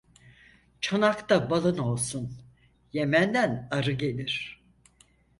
Çanakta balın olsun, Yemen'den arı gelir.